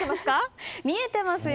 見えていますよ。